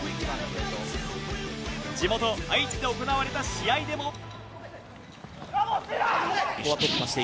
地元・愛知で行われた試合でも。